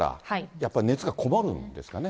やっぱり熱がこもるんですかね。